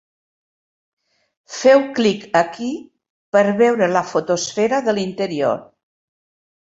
Feu clic aquí per veure la fotosfera de l'interior.